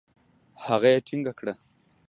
هغه يې ټينګه کړه.